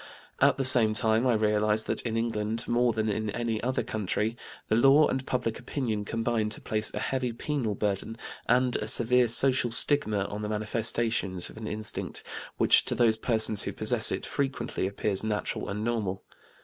At the same time I realized that in England, more than in any other country, the law and public opinion combine to place a heavy penal burden and a severe social stigma on the manifestations of an instinct which to those persons who possess it frequently appears natural and normal.